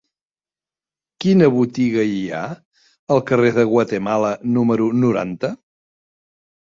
Quina botiga hi ha al carrer de Guatemala número noranta?